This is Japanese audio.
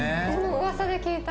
噂で聞いた。